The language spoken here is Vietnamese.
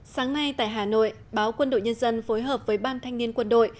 sáng nay tại hà nội báo quân đội nhân dân phối hợp với ban thanh niên quân đội